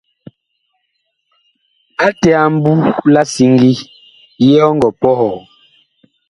Ate a mbu la siŋgi, yee ɔ ngɔ pɔhɔɔ ?